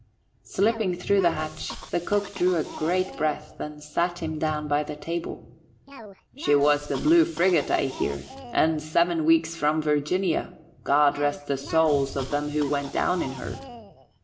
Slipping through the hatch, the cook drew a great breath and sat him down by the table. "She was the Blue Friggat, I hear, and seven weeks from Virginia God rest the souls of them who went down in her!"